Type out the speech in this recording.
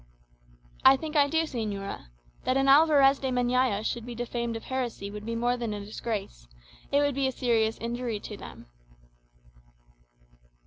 "I think I do, señora. That an Alvarez de Meñaya should be defamed of heresy would be more than a disgrace it would be a serious injury to them."